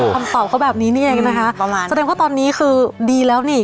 อ๋อคำตอบเขาแบบนี้นี่เองนะคะประมาณเสด็จเพราะตอนนี้คือดีแล้วนี่